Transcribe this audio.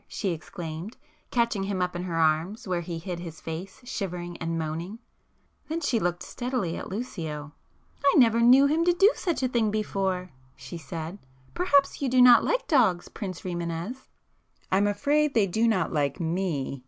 she exclaimed, catching him up in her arms where he hid his face shivering and moaning;—then she looked steadily at Lucio—"I never knew him do such a thing before"—she said—"Perhaps you do not like dogs, Prince Rimânez?" "I am afraid they do not like me!"